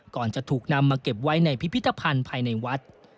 ก่อนจะถูกนำมาเก็บไว้ในพิพิธภัณฑ์ภายในวัด